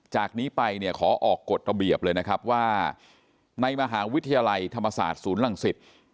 จากนี้ไปเนี่ยขอออกกฎระเบียบเลยนะครับว่าในมหาวิทยาลัยธรรมศาสตร์ศูนย์รังสิต